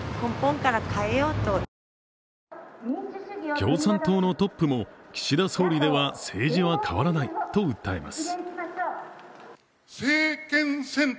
共産党のトップも岸田総理では政治は変わらないと訴えます。